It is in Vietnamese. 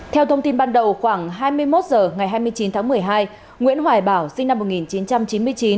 theo thông tin ban đầu khoảng hai mươi một h ngày hai mươi chín tháng một mươi hai nguyễn hoài bảo sinh năm một nghìn chín trăm chín mươi chín